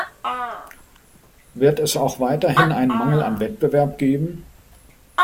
Wird es auch weiterhin einen Mangel an Wettbewerb geben?